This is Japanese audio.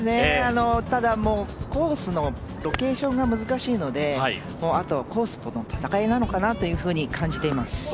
ただ、コースのロケーションが難しいので、あとはコースとの戦いなのかなというふうに感じています。